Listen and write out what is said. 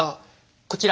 こちら。